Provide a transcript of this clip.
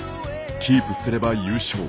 キープすれば優勝。